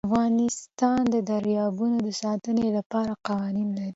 افغانستان د دریابونه د ساتنې لپاره قوانین لري.